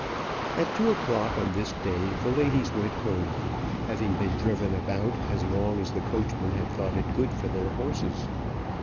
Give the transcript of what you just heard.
At two o'clock on this day the ladies went home, having been driven about as long as the coachmen had thought it good for their horses.